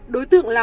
đối tượng là